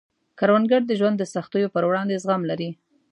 کروندګر د ژوند د سختیو په وړاندې زغم لري